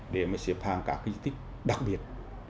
để xếp hàng các di tích đặc biệt